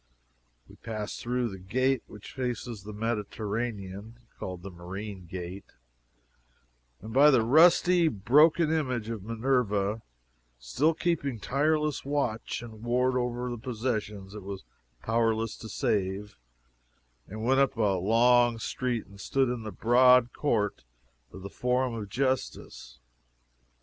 We passed through the gate which faces the Mediterranean, (called the "Marine Gate,") and by the rusty, broken image of Minerva, still keeping tireless watch and ward over the possessions it was powerless to save, and went up a long street and stood in the broad court of the Forum of Justice.